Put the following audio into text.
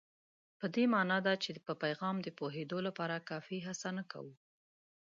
په دې مانا ده چې په پیغام د پوهېدو لپاره کافي هڅه نه کوو.